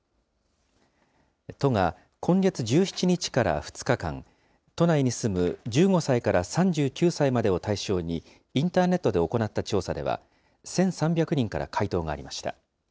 都が今月１７日から２日間、都内に住む１５歳から３９歳までを対象に、インターネットで行った調査では、１３００人から回答がありました。